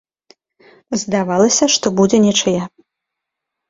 Здавалася, што будзе нічыя.